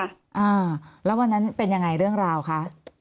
อ่าแล้ววันนั้นเป็นยังไงเรื่องราวคะ